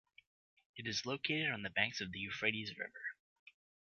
It is located on the banks of the Euphrates River.